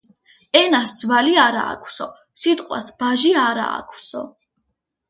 ენას ძვალი არა აქვსო, სიტყვას ბაჟი არა აქვსო